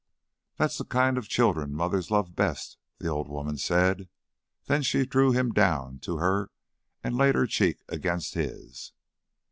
"That's the kind of children mothers love best," the old woman said, then she drew him down to her and laid her cheek against his.